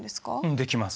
できます。